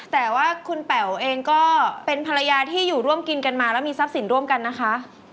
แต่ว่าคุณแป๋วเองก็เป็นภรรยาที่อยู่ร่วมกินกันมาแล้วมีทรัพย์สินร่วมกันนะคะ